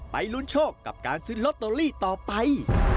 ลุ้นโชคกับการซื้อลอตเตอรี่ต่อไป